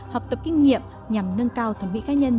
học tập kinh nghiệm nhằm nâng cao thẩm mỹ ca nhân